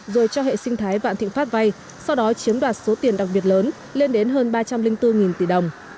rồi cho hệ sinh thái vạn thịnh pháp vay sau đó chiếm đoạt số tiền đặc biệt lớn lên đến hơn ba trăm linh bốn tỷ đồng